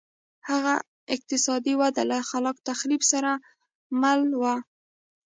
هغه اقتصادي وده له خلاق تخریب سره مله وه.